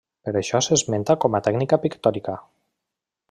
Per això s'esmenta com a tècnica pictòrica.